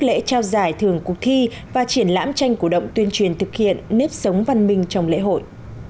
lễ trao giải thưởng cuộc thi và triển lãm tranh cổ động tuyên truyền thực hiện nếp sống văn minh trong lễ hội